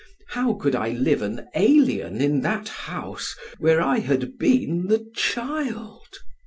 How could I live an alien in that house where I had been the child?